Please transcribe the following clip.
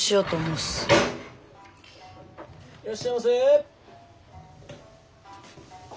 いらっしゃいませ。